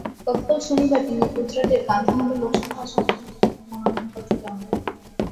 গতকাল শনিবার তিনি গুজরাটের গান্ধীনগর লোকসভা আসনে নির্বাচনের মনোনয়নপত্র জমা দেন।